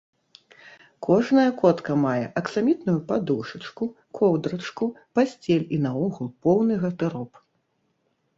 Кожная котка мае аксамітную падушачку, коўдрачку, пасцель і наогул поўны гардэроб.